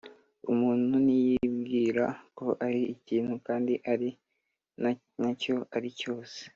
Umuntu niyibwira ko ari ikintu kandi ari nta cyo ari cyose